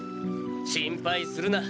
心配するな！